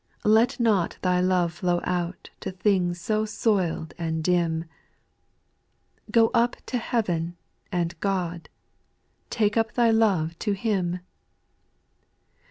3. Let not thy love flow out To things so soiled and dim ; Go up to heaven and God, Take up thy love to Him.